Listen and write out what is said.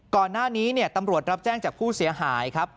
ก่อนหน้านี้ตำรวจรับแจ้งจากผู้เสียหายครับ